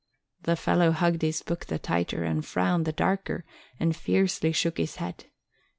The fellow hugged his book the tighter and frowned the darker and fiercely shook his head.